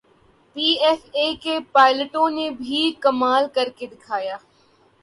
P A F کے پائلٹوں نے بھی کمال کرکے دکھایا۔